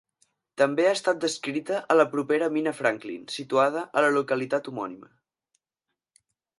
També ha estat descrita a la propera mina Franklin, situada a la localitat homònima.